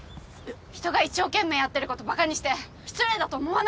人が一生懸命やってることバカにして失礼だと思わないんですか？